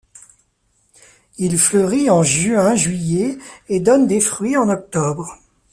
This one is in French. Il fleurit en juin-juillet et donne des fruits en octobre.